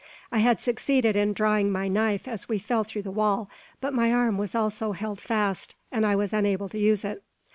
I had succeeded in drawing my knife as we fell through the wall; but my arm was also held fast, and I was unable to use it.